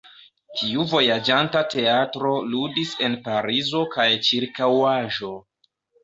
Tiu vojaĝanta teatro ludis en Parizo kaj ĉirkaŭaĵo.